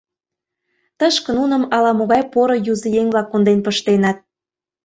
Тышке нуным ала-могай поро юзыеҥ-влак конден пыштеныт.